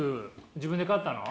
自分で買ったの？